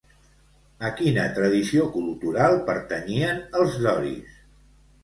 A quina tradició cultural pertanyien els doris?